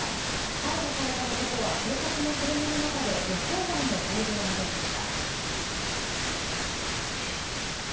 逮捕された男は警察の車の中で予想外の行動に出ました。